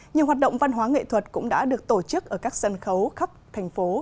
nhiều hoạt động văn hóa nghệ thuật cũng đã được tổ chức ở các sân khấu khắp thành phố